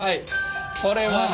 これはね